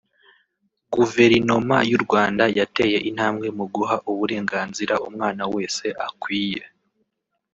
Guverinoma y’u Rwanda yateye intambwe mu guha uburenganzira umwana wese akwiye